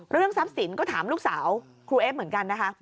เรื่องทรัพย์สินก็ถามลูกสาวครูเอฟเหมือนกันนะคะ